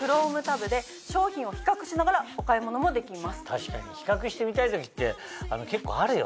確かに比較してみたい時って結構あるよね。